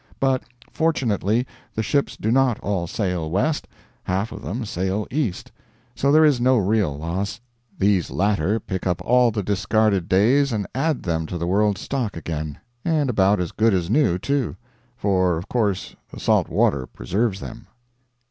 But fortunately the ships do not all sail west, half of them sail east. So there is no real loss. These latter pick up all the discarded days and add them to the world's stock again; and about as good as new, too; for of course the salt water preserves them.